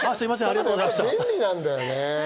便利なんだよね。